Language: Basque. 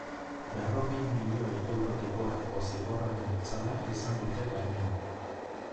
Berrogei milioi eurotik gorako zigorraren itzala izan dute gainean.